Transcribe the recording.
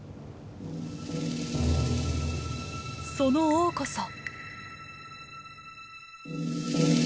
その王こそ。